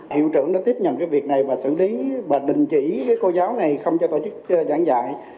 hiệu trưởng đã tiếp nhận cái việc này và xử lý và đình chỉ cô giáo này không cho tổ chức giảng dạy